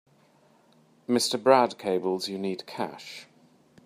Mr. Brad cables you need cash.